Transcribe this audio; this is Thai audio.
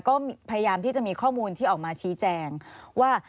ก็พยายามที่จะมีข้อมูลที่ออกมาชี้แจงว่า